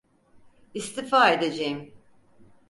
İstifa edeceğim.